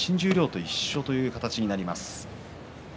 実質、新十両と一緒ということになります。